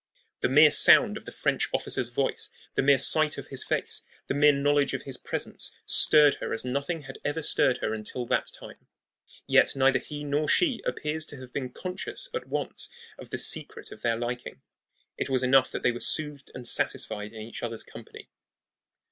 The mere sound of the French officer's voice, the mere sight of his face, the mere knowledge of his presence, stirred her as nothing had ever stirred her until that time. Yet neither he nor she appears to have been conscious at once of the secret of their liking. It was enough that they were soothed and satisfied with each other's company.